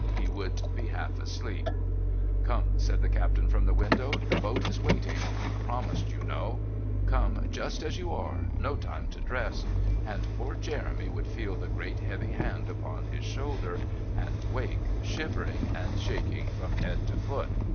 He would be half asleep. "Come," said the Captain from the window, "the boat is waiting! You promised, you know. Come just as you are no time to dress," and poor Jeremy would feel the great, heavy hand upon his shoulder and wake shivering and shaking from head to foot.